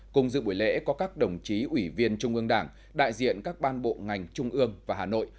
cùng dự buổi lễ có các đồng chí ủy viên trung ương đảng đại diện các ban bộ ngành trung ương và hà nội